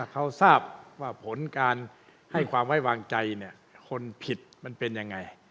เขาทราบว่าผลการให้ความไว้วางใจคนผิดมันเป็นยังไง